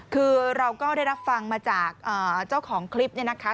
คือเราก็ได้รับฟังมาจากเจ้าของคลิปเนี่ยนะคะ